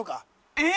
えっ！？